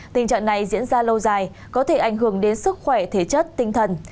tình trạng này diễn ra lâu dài có thể ảnh hưởng đến sức khỏe thể chất tinh thần